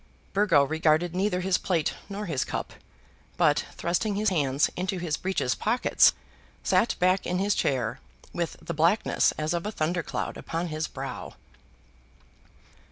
Burgo regarded neither his plate nor his cup, but thrusting his hands into his breeches pockets, sat back in his chair with the blackness as of a thunder cloud upon his brow.